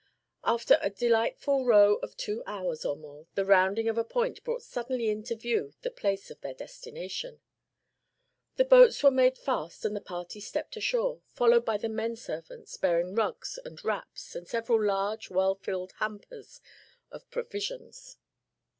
After a delightful row of two hours or more the rounding of a point brought suddenly into view the place of their destination. The boats were made fast and the party stepped ashore, followed by the men servants bearing rugs and wraps and several large well filled hampers of provisions.